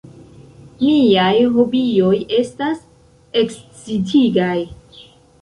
Miaj hobioj estas ekscitigaj.